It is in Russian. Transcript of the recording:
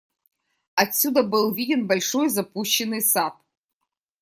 Отсюда был виден большой запущенный сад.